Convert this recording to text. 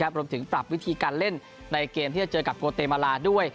พรหมถึงตรับวิธีการเล่นในเกมที่จะเจอกับก็เตมลาด้วย